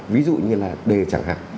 ví dụ như là đề chẳng hạn